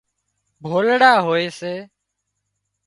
ڀولڙا هوئي سي